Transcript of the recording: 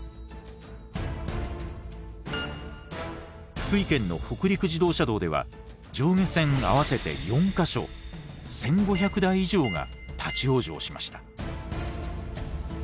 福井県の北陸自動車道では上下線合わせて４か所１，５００台以上が立往生しました。